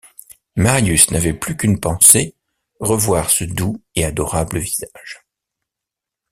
Marius n’avait plus qu’une pensée, revoir ce doux et adorable visage.